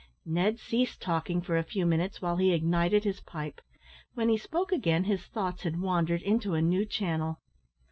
Ned ceased talking for a few minutes while he ignited his pipe; when he spoke again his thoughts had wandered into a new channel.